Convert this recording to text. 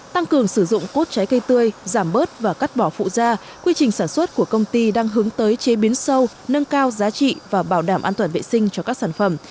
tăng cường sử dụng cốt trái cây tươi giảm bớt và cắt bỏ phụ da quy trình sản xuất của công ty đang hướng tới chế biến sâu nâng cao giá trị và bảo đảm an toàn vệ sinh cho các sản phẩm